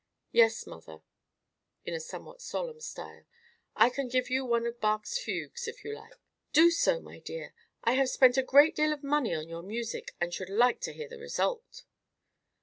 "Yes, mother," in a somewhat solemn style. "I can give you one of Bach's fugues, if you like." "Do so, my dear. I have spent a great deal of money on your music, and should like to hear the result."